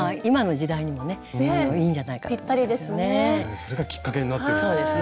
それがきっかけになってるんですね。